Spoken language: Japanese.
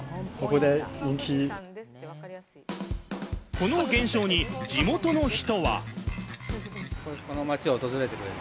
この現象に、地元の人は。